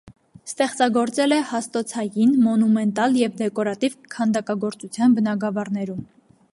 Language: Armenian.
Ստեղծագործել է հաստոցային, մոնումենտալ և դեկորատիվ քանդակագործության բնագավառներում։